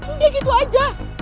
nggak gitu aja